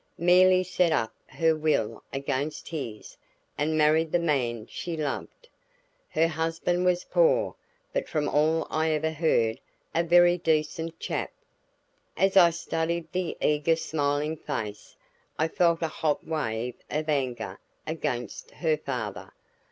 Merely set up her will against his, and married the man she loved. Her husband was poor, but from all I ever heard, a very decent chap. As I studied the eager smiling face, I felt a hot wave of anger against her father.